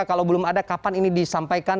kalau belum ada kapan ini disampaikan